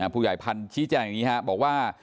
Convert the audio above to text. ผู้ใหญ่พันธ์ชี้แจงอย่างนี้ครับบอกว่า